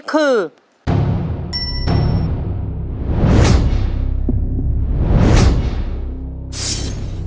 เยอะ